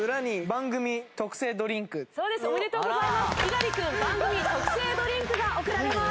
番組特製ドリンクが贈られます。